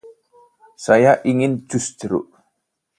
Saya ingin jus jeruk.